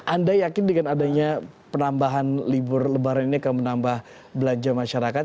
anda yakin dengan adanya penambahan libur lebaran ini akan menambah belanja masyarakat